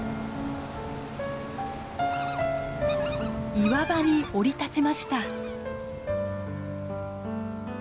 岩場に降り立ちました。